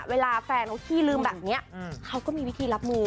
เวลาแฟนเขาขี้ลืมแบบนี้เขาก็มีวิธีรับมือ